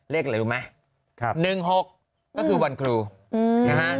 เลขอะไรรู้ไหม๑๖ก็คือวันครูนะฮะ